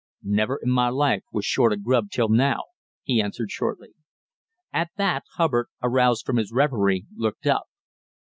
"Never in my life was short of grub till now," he answered shortly. At that Hubbard, aroused from his reverie, looked up.